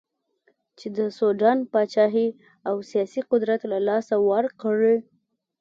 چې د سوډان پاچهي او سیاسي قدرت له لاسه ورکړي.